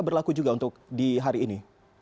berlaku juga untuk di hari ini